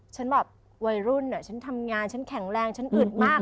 ฉันแบบวัยรุ่นฉันทำงานฉันแข็งแรงฉันอึดมาก